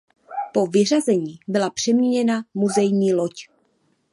Po vyřazení byla přeměněna muzejní loď.